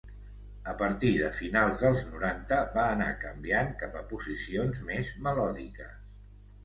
A partir de finals dels noranta va anar canviant cap a posicions més melòdiques.